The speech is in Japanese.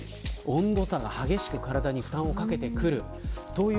温度差が激しく体に負担をかけてきます。